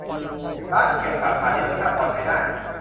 ร้านเขียง สาขานี้รสชาติพอใช้ได้